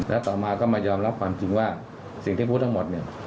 แล้วต่อมาก็มายอมรับความจริงว่าสิ่งที่พูดทั้งหมดเนี่ย